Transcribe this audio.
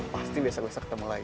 pasti besok besok ketemu lagi